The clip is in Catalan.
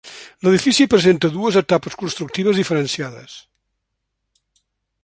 L'edifici presenta dues etapes constructives diferenciades.